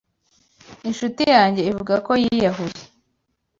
Inshuti yanjye ivuga ko yiyahuye.